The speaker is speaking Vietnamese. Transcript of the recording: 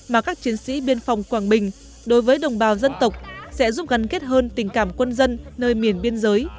mà các chiến sĩ biên phòng quảng bình đối với đồng bào dân tộc sẽ giúp gắn kết hơn tình cảm quân dân nơi miền biên giới